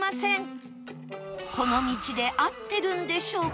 この道で合ってるんでしょうか？